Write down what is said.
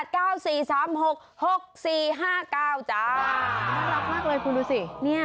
น่ารักมากเลยคุณดูสิ